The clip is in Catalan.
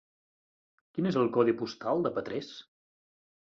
Quin és el codi postal de Petrés?